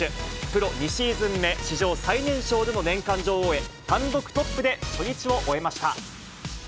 プロ２シーズン目、史上最年少での年間女王へ、単独トップで初日を終えました。